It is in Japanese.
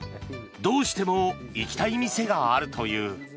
どうしても行きたい店があるという。